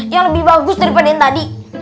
yang lebih bagus daripada yang tadi